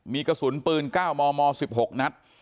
มีกระสุนปืน๙มม๑๖นัด